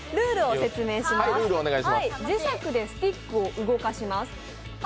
磁石でスティックを動かします。